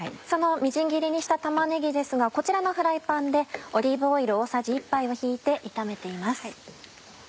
そのみじん切りにした玉ねぎですがこちらのフライパンでオリーブオイル大さじ１杯を引いて炒めています。